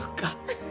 フフ。